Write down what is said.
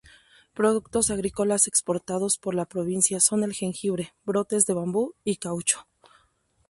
Productos agrícolas exportados por la provincia son el jengibre, brotes de bambú, y caucho.